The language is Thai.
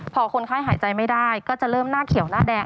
พอคนไข้หายใจไม่ได้ก็จะเริ่มหน้าเขียวหน้าแดง